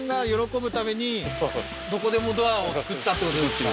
どこでもドアを造ったってことですか？